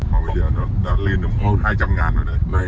bây giờ nó lên được hơn hai trăm linh ngàn rồi đây